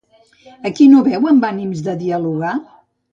A qui no veu amb ànims de dialogar?